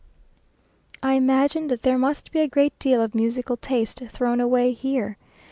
I imagine that there must be a great deal of musical taste thrown away here.